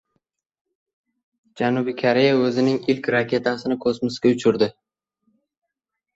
Janubiy Koreya o‘zining ilk raketasini kosmosga uchirdi